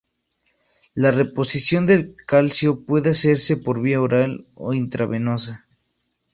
La reposición del calcio puede hacerse por vía oral o intravenosa.